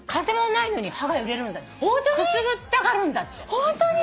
ホントに？